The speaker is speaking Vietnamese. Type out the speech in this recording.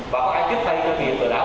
bà bái trước tay cho ký kết hợp đảo